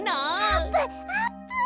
あーぷんあーぷん！